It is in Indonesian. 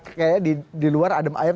kayaknya di luar adem aym